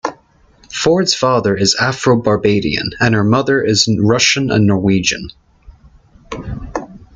Ford's father is Afro-Barbadian and her mother is Russian and Norwegian.